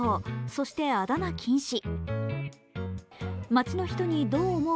そしてあだ名禁止。